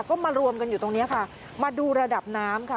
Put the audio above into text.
ก็มารวมกันอยู่ตรงนี้ค่ะมาดูระดับน้ำค่ะ